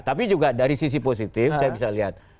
tapi juga dari sisi positif saya bisa lihat